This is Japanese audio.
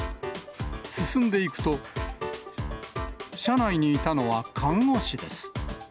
進んでいくと、車内にいたのは看護師です。